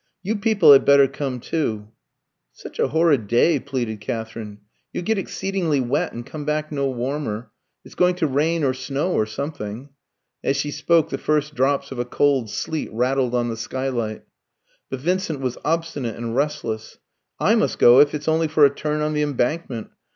You people had better come too." "It's such a horrid day," pleaded Katherine. "You'll get exceedingly wet, and come back no warmer. It's going to rain or snow, or something." As she spoke, the first drops of a cold sleet rattled on the skylight. But Vincent was obstinate and restless. "I must go, if it's only for a turn on the Embankment.